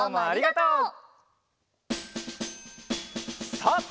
ありがとう！